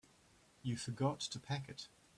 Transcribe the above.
You forgot to pack it.